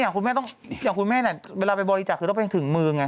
อย่างคุณแม่น่ะเวลาไปบริจักษ์คือต้องไปถึงเมืองไง